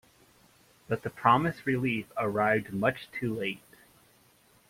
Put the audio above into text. But the promised relief arrived much too late.